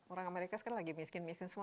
orang amerika sekarang lagi miskin miskin